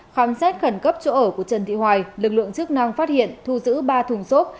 khám xét khẩn cấp chỗ ở của trần thị hoài lực lượng chức năng phát hiện thu giữ ba thùng xốp